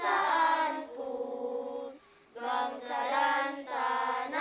wa'alaikumsalam warahmatullahi wabarakatuh